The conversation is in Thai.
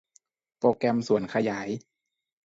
โปรแกรมส่วนขยาย